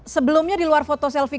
sebelumnya di luar foto selfie